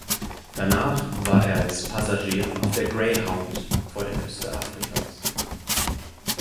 Danach war er als Passagier auf der "Greyhound" vor der Küste Afrikas.